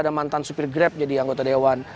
ada mantan supir grab jadi anggota dewan